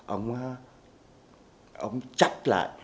ông chắc lại